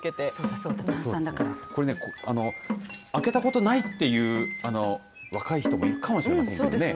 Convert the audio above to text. これで開けたことないっていう若い人もいるかもしれませんけどね。